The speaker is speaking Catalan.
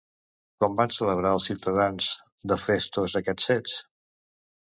Com van celebrar els ciutadans de Festos aquests fets?